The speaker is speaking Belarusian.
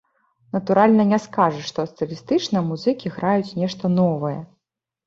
Натуральна, не скажаш, што стылістычна музыкі граюць нешта новае.